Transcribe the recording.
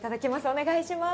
お願いします。